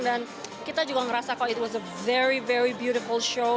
dan kita juga ngerasa kok itu was a very very beautiful show